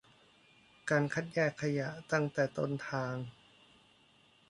การคัดแยกขยะตั้งแต่ต้นทาง